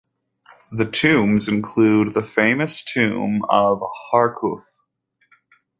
The tombs include the famous tomb of Harkhuf.